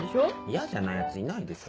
嫌じゃないヤツいないでしょ。